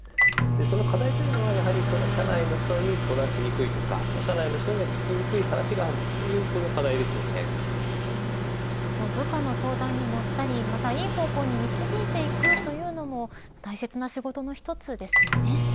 その課題はやはり社内の人に相談しにくいとか社内の人に聞きにくい話があるというのが部下の相談にのったりいい方向に導いていくというのも大切な仕事の一つですよね。